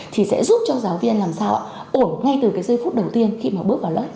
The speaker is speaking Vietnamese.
thì sẽ giúp cho giáo viên làm sao ổn ngay từ cái giây phút đầu tiên khi mà bước vào lớp